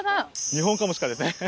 ニホンカモシカです。